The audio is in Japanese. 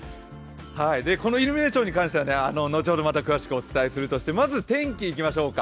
このイルミネーションに関しては後ほどまた詳しくお伝えするとしてまず天気、いきましょうか。